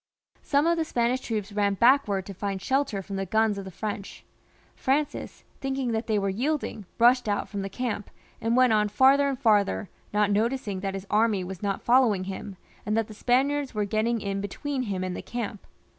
Some of the Spanish troops ran backwards to find shelter from the guns of the French ; Francis, thinking that they were yielding, rushed out from the camp, and went on farther and farther, not noticing that his army was not following him, and that the Spaniards were getting in between him and the camp.